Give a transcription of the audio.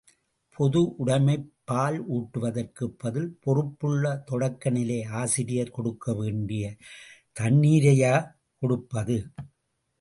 பொது உடைமைப் பால் ஊட்டுவதற்கு பதில், பொறுப்புள்ள தொடக்கநிலை ஆசிரியர் கொடுக்க வேண்டிய தண்ணிரையா கொடுப்பது?